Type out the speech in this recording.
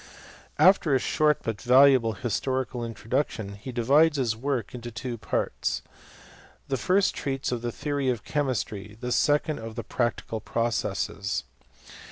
After a short but valuable historical introduction he divides his work into two parts ; the first treats of the theory of chemistry y the second of the practical' processes.